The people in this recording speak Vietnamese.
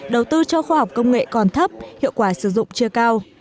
đầu tư cho khoa học công nghệ còn thấp hiệu quả sử dụng chưa cao